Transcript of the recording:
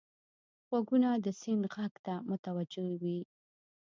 غوږونه د سیند غږ ته متوجه وي